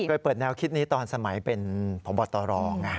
เคยเปิดแนวคิดนี้ตอนสมัยเป็นพบตรไง